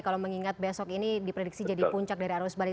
kalau mengingat besok ini diprediksi jadi puncak dari arus balik